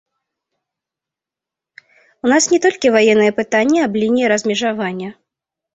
У нас не толькі ваенныя пытанні аб лініі размежавання.